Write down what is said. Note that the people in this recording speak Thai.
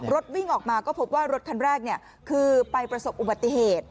วิ่งออกมาก็พบว่ารถคันแรกคือไปประสบอุบัติเหตุ